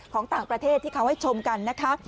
ของต่างประเทศที่เขาให้ชมกันนะคะ